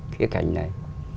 khía cạnh này